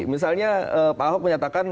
misalnya pak ahok menyatakan